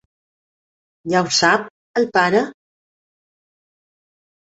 Ja ho sap, el pare?